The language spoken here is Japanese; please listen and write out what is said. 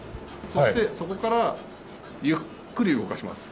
そしてそこからゆっくり動かします。